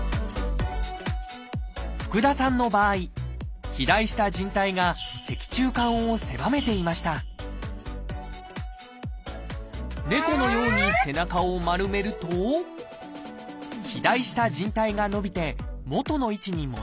福田さんの場合肥大したじん帯が脊柱管を狭めていました猫のように背中を丸めると肥大したじん帯が伸びて元の位置に戻ります。